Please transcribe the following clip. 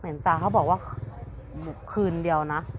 ตาเขาบอกว่าบุกคืนเดียวนะ